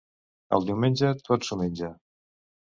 El diumenge tot s'ho menja.